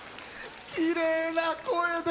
きれいな声で。